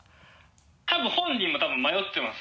多分本人も迷ってます。